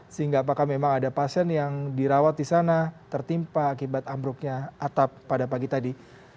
sehingga apakah memang ada pasien yang dirawat di sana tertimpa akibat ambruknya atap pada pagi tadi